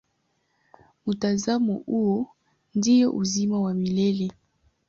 Mtazamo huo ndio uzima wa milele.